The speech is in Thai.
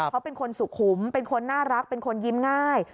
เขาเป็นคนสุขุมเป็นคนน่ารักเป็นคนยิ้มง่าย